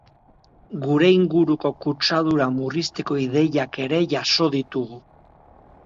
Gure inguruko kutsadura murrizteko ideiak ere jaso ditugu.